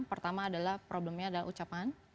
pertama adalah problemnya adalah ucapan